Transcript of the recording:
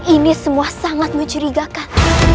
ini semua sangat mencurigakan